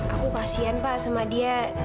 aku kasian pak sama dia